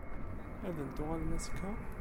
Ad n-tuɣalem azekka?